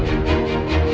aku mau pergi